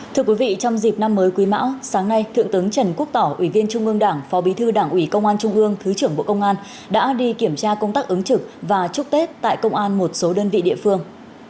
thưa quý vị trong dịp năm mới quý mão sáng nay thượng tướng trần quốc tỏ ủy viên trung ương đảng phó bí thư đảng ủy công an trung ương thứ trưởng bộ công an đã đi kiểm tra công tác ứng trực và chúc tết tại công an một số đơn vị địa phương